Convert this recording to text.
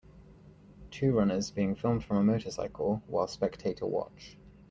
Two Runners, being filmed from a motorcycle, while spectator watch.